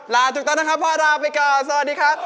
ระจุดต้อนนะครับพ่อระไปก่อสวัสดีครับ